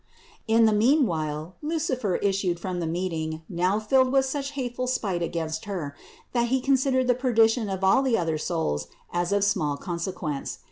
In the meanwhile Lucifer issued from the meeting, now rilled with such hateful spite against Her, that he considered the perdition of all the other souls as of small consequence.